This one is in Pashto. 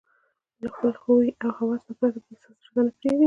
له خپل هوى او هوس نه پرته بل څه زړه ته نه پرېږدي